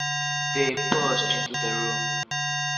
They burst into the room.